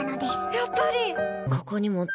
やっぱり！